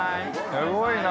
すごいな。